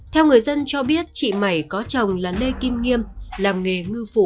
theo người dân cho biết chị mẩy có chồng là lê kim nghiêm làm nghề ngư phủ